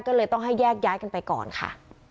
ก็เลยต้องให้แยกย้ายกันไปก่อนค่ะ